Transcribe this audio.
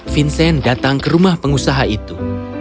vincent datang ke rumah pengusaha itu